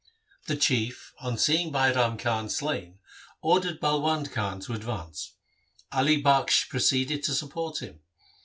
The Chief on seeing Bairam Khan slain ordered Balwand Khan to advance. Ali Bakhsh proceeded to support him.